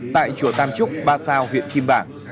tại chùa tam trúc ba sao huyện kim bảng